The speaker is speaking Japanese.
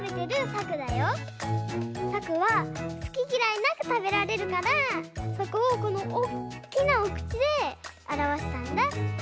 さくはすききらいなくたべられるからそこをこのおっきなおくちであらわしたんだ！